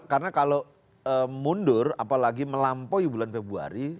karena kalau mundur apalagi melampaui bulan februari